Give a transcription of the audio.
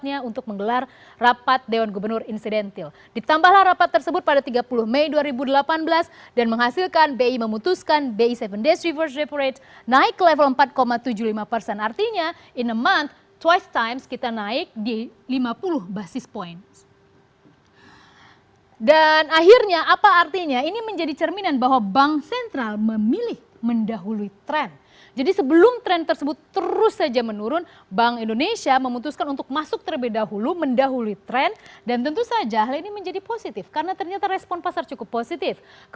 yang pertama adalah nilai ataupun juga fundamental ekonomi amerika serikat tersebut cukup baik dengan tenaga kerja yang cukup positif